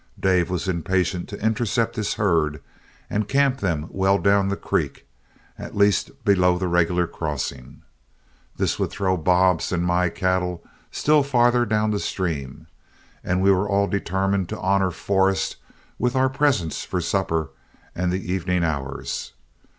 Dave was impatient to intercept his herd and camp them well down the creek, at least below the regular crossing. This would throw Bob's and my cattle still farther down the stream; and we were all determined to honor Forrest with our presence for supper and the evening hours.